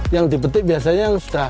yang dipetik biasanya yang sudah